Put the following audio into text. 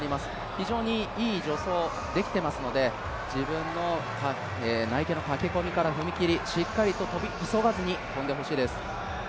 非常にいい助走できていますので、自分の内傾の駆け込みから踏み切り、しっかりと跳び急がずに跳んでほしいです。